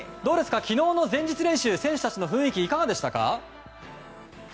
昨日の前日練習選手たちの雰囲気はいかがでしたか？